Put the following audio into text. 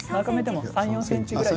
３、４ｃｍぐらい。